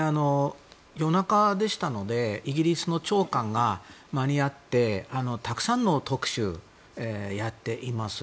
夜中でしたのでイギリスの朝刊が間に合ってたくさんの特集をやっています。